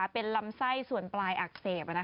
เป็นลำไส้ส่วนปลายอักเสบ